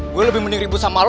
gue lebih mending ribut sama lo